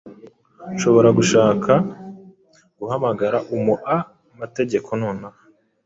Urashobora gushaka guhamagara umuamategeko nonaha.